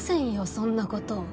そんなこと。